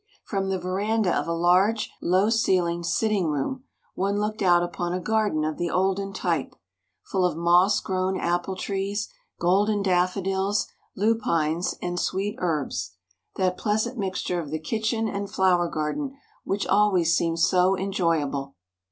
From the veranda of a large, low ceilinged sitting room one looked out upon a garden of the olden type, full of moss grown apple trees, golden daffodils, lupines and sweet herbs, that pleasant mixture of the kitchen and flower garden which always seems so enjoyable.